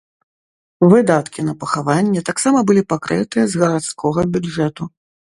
Выдаткі на пахаванне таксама былі пакрытыя з гарадскога бюджэту.